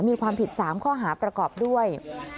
มีความผิด๓ข้อหาประกอบด้วย